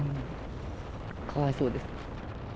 かわいそうです。